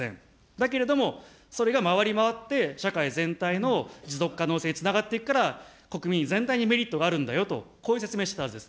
だけれども、それが回り回って社会全体の持続可能性につながっていくから、国民全体にメリットがあるんだよと、こういう説明してたんです。